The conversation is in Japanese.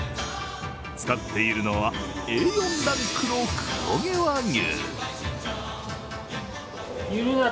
使っているのはＡ４ランクの黒毛和牛。